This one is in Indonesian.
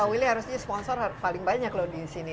willy harusnya sponsor paling banyak loh di sini